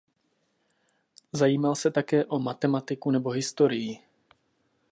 Zajímal se také o matematiku nebo historii.